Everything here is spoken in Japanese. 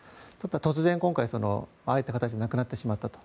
突然、今回ああいった形で亡くなってしまったと。